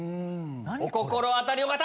お心当たりの方！